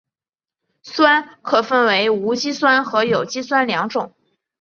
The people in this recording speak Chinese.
酸可分为无机酸和有机酸两种。